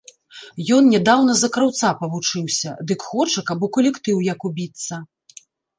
Ён нядаўна за краўца павучыўся, дык хоча, каб у калектыў як убіцца.